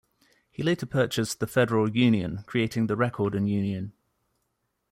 He later purchased "The Federal Union", creating "The Record and Union".